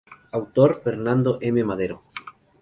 Autor: Fernando M. Madero.